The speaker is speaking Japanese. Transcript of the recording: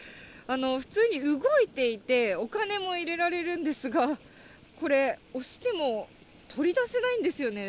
普通に動いていて、お金も入れられるんですが、これ、押しても、取り出せないんですよね。